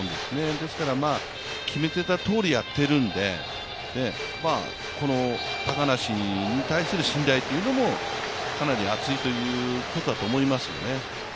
ですから、決めていたとおりやっているんで、高梨に対する信頼というのもかなり厚いということだと思いますけどね。